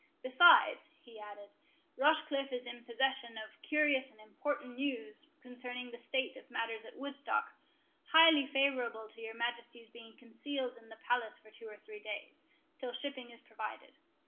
Besides," he added, "Rochecliffe is in possession of curious and important news concerning the state of matters at Woodstock, highly favourable to your Majesty's being concealed in the palace for two or three days, till shipping is provided.